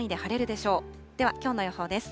では、きょうの予報です。